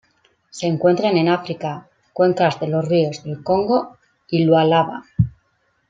Se encuentran en África: cuencas de los ríos Congo y Lualaba.